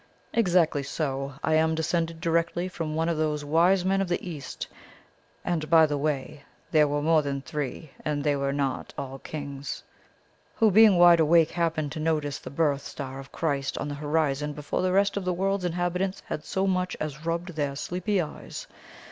"'Exactly so. I am descended directly from one of those "wise men of the East" (and, by the way, there were more than three, and they were not all kings), who, being wide awake, happened to notice the birth star of Christ on the horizon before the rest of the world's inhabitants had so much as rubbed their sleepy eyes.